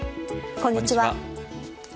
こんにちは。